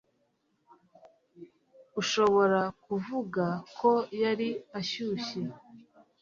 ushobora kuvuga ko yari ashyushye